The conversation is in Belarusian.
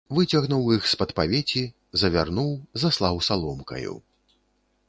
Выцягнуў іх з-пад павеці, завярнуў, заслаў саломкаю.